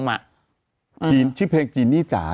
ชื่อเพลงจีนนี่จ๋า